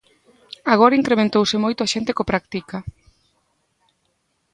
Agora incrementouse moito a xente que o practica.